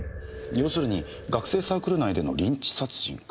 要するに学生サークル内でのリンチ殺人か。